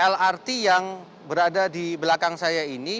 lrt yang berada di belakang saya ini